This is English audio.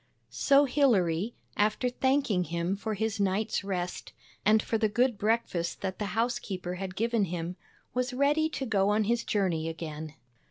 So Hilary, after thanking him for his night's rest and for the good breakfast that the housekeeper had given him, was ready to go on his journey again.